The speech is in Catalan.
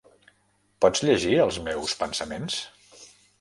Pots llegir els meus pensaments?